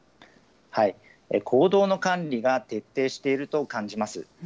行動の管理が徹底していると感じます。